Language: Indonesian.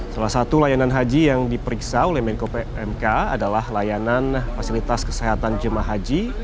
salah satu layanan haji yang diperiksa oleh menko pmk adalah layanan fasilitas kesehatan jemaah haji